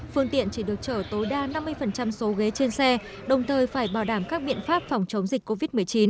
phương tiện chỉ được chở tối đa năm mươi số ghế trên xe đồng thời phải bảo đảm các biện pháp phòng chống dịch covid một mươi chín